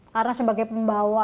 karena sebagai pembawa